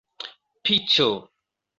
piĉo